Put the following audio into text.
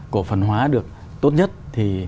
cổ phần hóa được tốt nhất thì